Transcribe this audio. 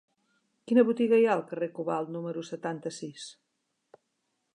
Quina botiga hi ha al carrer del Cobalt número setanta-sis?